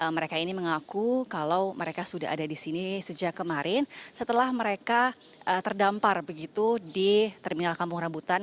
mereka ini mengaku kalau mereka sudah ada di sini sejak kemarin setelah mereka terdampar begitu di terminal kampung rambutan